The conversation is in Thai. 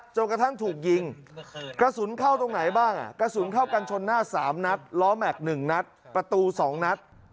จนกระทั่งถูกยิงกระสุนเข้าตรงไหนบ้างกระสุนเข้ากันชนหน้า๓นัดล้อแม็กซ์๑นัดประตู๒นัด